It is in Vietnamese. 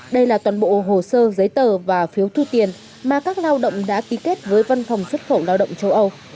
đây là toàn bộ hồ sơ giấy tờ và phiếu thu tiền mà các lao động đã ký kết với văn phòng xuất khẩu lao động châu âu